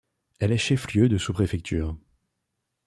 Elle est chef-lieu de sous-préfecture.